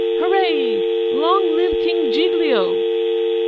Hurray! Long live King Giglio!